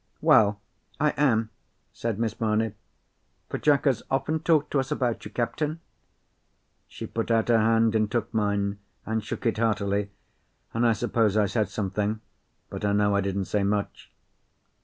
"Well, I am," said Miss Mamie, "for Jack has often talked to us about you, captain." She put out her hand, and took mine and shook it heartily, and I suppose I said something, but I know I didn't say much.